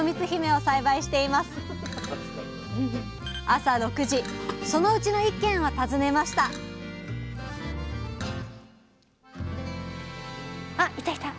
朝６時そのうちの１軒を訪ねましたあいたいた！